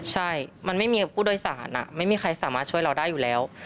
ใช่มันไม่มีกับผู้โดยสารไม่มีใครสามารถช่วยเราได้อยู่แล้ว